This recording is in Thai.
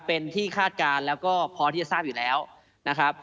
เป็นที่คาดการณ์แล้วก็พอที่จะทราบอยู่แล้วนะครับ